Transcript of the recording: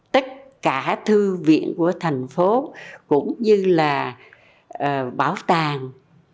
tất cả thư viện của thành phố cũng như là bảo tàng